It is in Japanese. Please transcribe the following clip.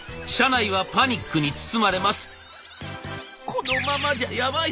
「このままじゃやばい。